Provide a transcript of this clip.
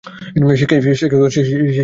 সে কি কখনো হইতে পারে?